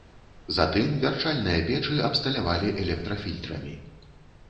Затым вярчальныя печы абсталявалі электрафільтрамі.